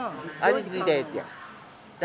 味付いたやつや。